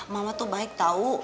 mama tuh baik tau